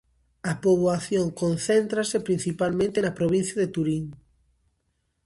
A poboación concéntrase principalmente na provincia de Turín.